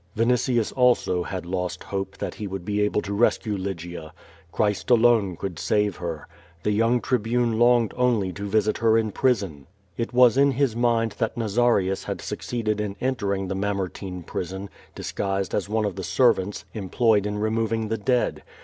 ^' A^initius, also, had lost hope that he would be able to res cue Lygia. Christ alone could save her. The young Tri bune longed only to visit her in prison. It was in his mind that Nazarius had succeeded in entering the Mamertine prison, disguised as one of the servants, em ployed in removing the dead.